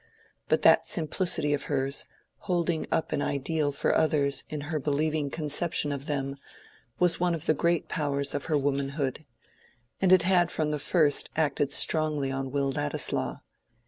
But that simplicity of hers, holding up an ideal for others in her believing conception of them, was one of the great powers of her womanhood. And it had from the first acted strongly on Will Ladislaw.